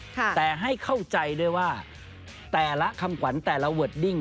แต่ให้เข้าใจด้วยว่าแต่ละคำขวัญแต่ละเวิร์ดดิ้ง